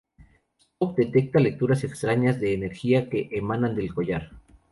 Spock detecta lecturas extrañas de energía que emana del collar.